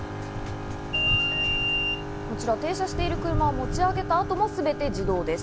こちら、停車している車を持ち上げた後も、全て自動です。